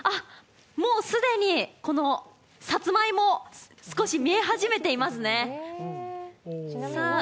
もう既に、さつまいも、少し見え始めていますね